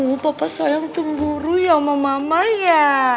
oh papa sayang cemburu ya sama mama ya